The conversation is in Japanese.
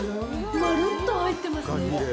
まるっと入ってますね！